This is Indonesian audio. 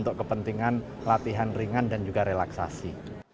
untuk kepentingan latihan ringan dan juga relaksasi